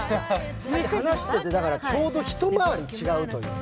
話してて、ちょうど一回り違うというね。